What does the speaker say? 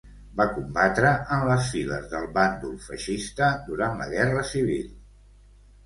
Va combatre en les files del bàndol nacional durant la Guerra Civil.